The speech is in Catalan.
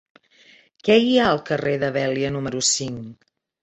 Què hi ha al carrer de Vèlia número cinc?